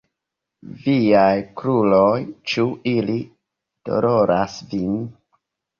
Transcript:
Viaj kruroj? Ĉu ili doloras vin?